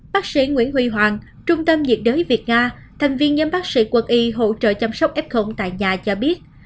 bác sĩ nguyễn huy hoàng trung tâm nhiệt đới việt nga thành viên nhóm bác sĩ quân y hỗ trợ chăm sóc f tại nhà cho biết